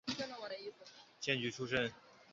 荐举出身。